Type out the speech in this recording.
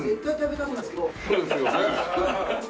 そうですよ。